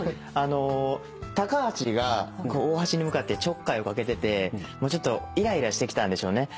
高橋が大橋に向かってちょっかいをかけててちょっとイライラしてきたんでしょうね。